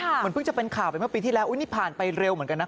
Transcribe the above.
เหมือนเพิ่งจะเป็นข่าวไปเมื่อปีที่แล้วอุ๊ยนี่ผ่านไปเร็วเหมือนกันนะ